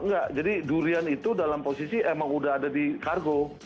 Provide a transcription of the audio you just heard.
enggak jadi durian itu dalam posisi emang udah ada di kargo